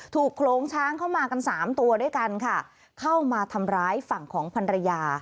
โครงช้างเข้ามากันสามตัวด้วยกันค่ะเข้ามาทำร้ายฝั่งของพันรยา